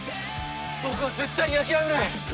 僕は絶対に諦めない！